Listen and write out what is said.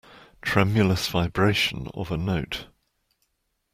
Tremulous vibration of a note.